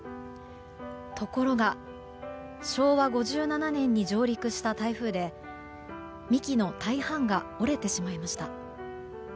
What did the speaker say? ところが昭和５７年に上陸した台風で幹の大半が折れてしまいました。